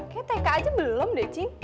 kayaknya tk aja belum deh cik